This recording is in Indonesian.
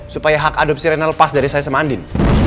supaya hak adopsi renal lepas dari saya sama andin